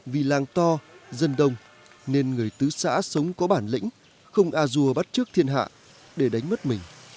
vì làng to dân đông nên người tứ xã sống có bản lĩnh không a dua bắt trước thiên hạ để đánh mất mình